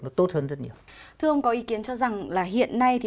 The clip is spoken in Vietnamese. nó tốt hơn rất nhiều